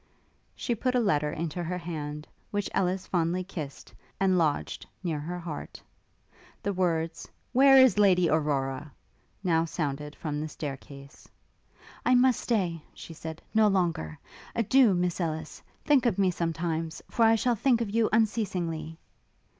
She put a letter into her hand, which Ellis fondly kissed, and lodged near her heart. The words 'Where is Lady Aurora?' now sounded from the staircase. 'I must stay,' she said, 'no longer! Adieu, dear Miss Ellis! Think of me sometimes for I shall think of you unceasingly!'